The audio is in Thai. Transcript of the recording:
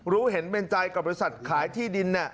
รู้เห็นเป็นใจกับบริษัทขายที่ดิน